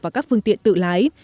vào các phương tiện tự lái